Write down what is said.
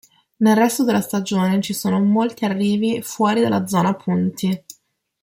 Nel resto della stagione ci sono molti arrivi fuori dalla zona punti.